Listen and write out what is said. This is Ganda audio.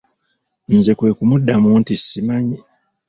Nze kwe kumuddamu nti simanyi.